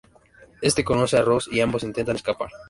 Este conoce a Rose y ambos intentan escapar.